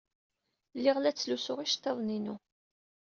Lliɣ la ttlusuɣ iceḍḍiḍen-inu.